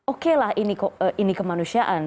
oke lah ini kemanusiaan